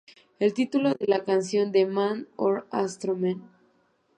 El título de la canción de Man or Astro-man?